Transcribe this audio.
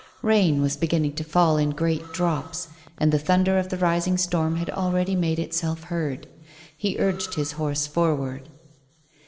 Rain was beginning to fall in great drops, and the thunder of the rising storm had already made itself heard. He urged his horse forward.